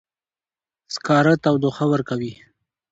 سکاره تودوخه ورکوي